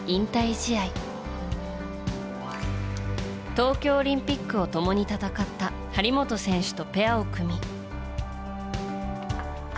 東京オリンピックを共に戦った張本選手とペアを組み。